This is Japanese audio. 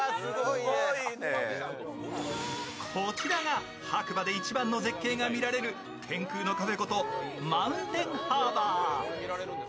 こちらが白馬で一番の絶景が見られる天空のカフェことマウンテンハーバー。